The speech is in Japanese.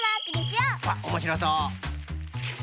わっおもしろそう！